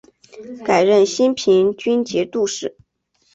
改任兴平军节度使。